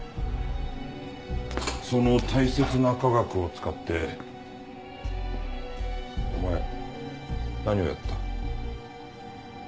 その大切な科学を使ってお前何をやった？